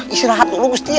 istirahat dulu gusti